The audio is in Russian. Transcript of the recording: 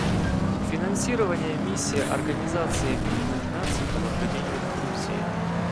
Финансирование Миссии Организации Объединенных Наций по наблюдению в Грузии.